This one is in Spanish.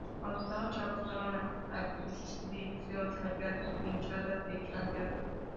Cuando estaba chavo estaba en 'La adicción rayada', hinchada de Rayados.